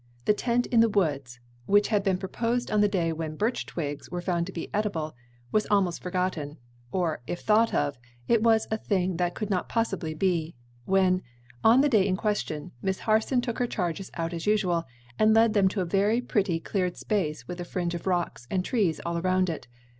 The tent in the woods, which had been proposed on the day when birch twigs were found to be eatable, was almost forgotten or if thought of, it was as a thing that could not possibly be when, on the day in question, Miss Harson took her charges out as usual, and led them to a very pretty cleared space with a fringe of rocks and trees all around it.